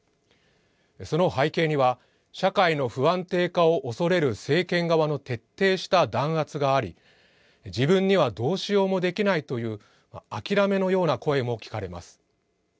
その背景には社会の不安定化を恐れる政権側の徹底した弾圧があり、自分にはどうしようもできないという諦めのような声も聞かれます。